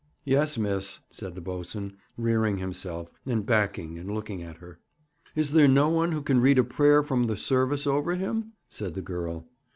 'Yes, miss,' said the boatswain, rearing himself, and backing and looking at her. 'Is there no one who can read a prayer from the service over him?' said the girl.